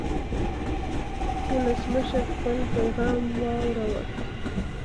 ولسمشر خپل پیغام واوراوه.